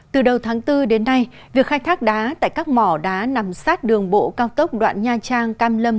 từ đầu tháng bốn đến nay việc khai thác đá tại các mỏ đá nằm sát đường bộ cao tốc đoạn nha trang cam lâm